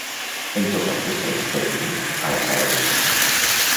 Em tocaries "Boig per tu" a la sala d'estar?